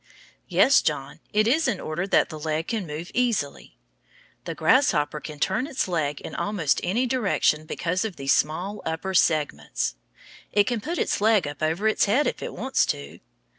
Yes, John, it is in order that the leg can move easily. The grasshopper can turn its leg in almost any direction because of these small upper segments. It can put its leg up over its head if it wants to.